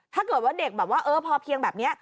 ถ้าเกิดว่าเด็กนี่คือพอเพียงแบบนี้